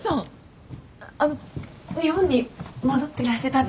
あの日本に戻っていらしてたんですか？